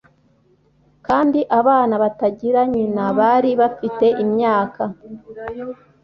kandi abana batagira nyina bari bafite imyaka